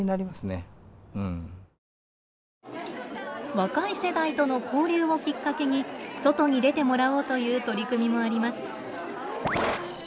若い世代との交流をきっかけに外に出てもらおうという取り組みもあります。